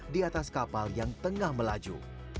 di atas kapal yang tengah melaju